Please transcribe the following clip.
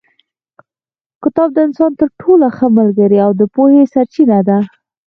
کتاب د انسان تر ټولو ښه ملګری او د پوهې سرچینه ده.